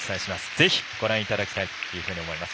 ぜひ、ご覧いただきたいというふうに思います。